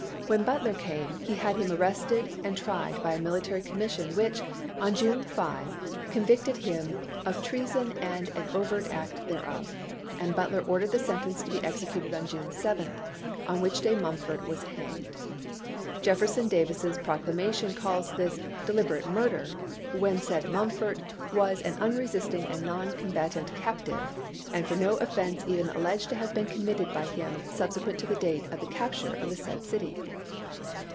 When Butler came, he had him arrested and tried by a military commission which, on June 5, con victed him "of treason and an overt act thereof"; and Butler ordered the sentence to be executed on June 7, on which day Mumford was hanged. Jef ferson Davis's proclamation calls this " deliberate murder," " when said Mumford was an unresisting and non combatant captive, and for no offense even alleged to have been committed by him sub sequent to the date of the capture of the said city."